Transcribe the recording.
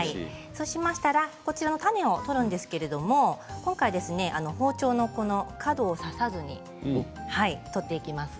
そうしましたら種を取るんですけれど今回は包丁の角を刺さずに取っていきます。